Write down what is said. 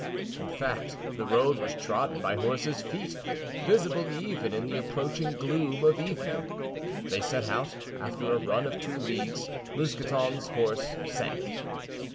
In fact, the road was trodden by horses' feet, visible even in the approaching gloom of evening. They set out; after a run of two leagues, Mousqueton's horse sank.